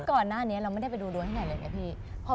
ก่อนหน้านี้เราไม่ได้ไปดูดวงที่ไหนเลยไงพี่